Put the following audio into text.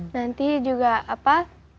nanti juga apa